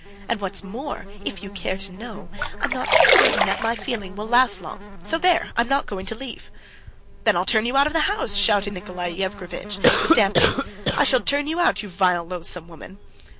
And what's more, if you care to know, I'm not certain that my feeling will last long ... so there! I'm not going to leave you." "Then I'll turn you out of the house!" shouted Nikolay Yevgrafitch, stamping. "I shall turn you out, you vile, loathsome woman!"